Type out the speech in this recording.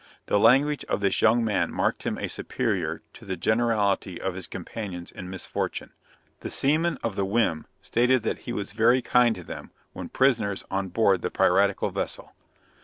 The language of this young man marked him a superior to the generality of his companions in misfortune. The seamen of the Whim stated that he was very kind to them when prisoners on board the piratical vessel.